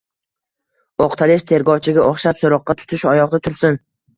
Oʻqtalish, tergovchiga oʻxshab soʻroqqa tutish uyoqda tursin.